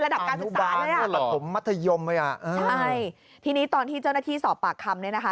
ระดับการศึกษาด้วยอ่ะมัธยมไว้อ่ะใช่ทีนี้ตอนที่เจ้าหน้าที่สอบปากคำเนี่ยนะคะ